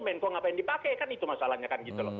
menko ngapain dipakai kan itu masalahnya kan gitu loh